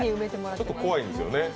ちょっと怖いんですよね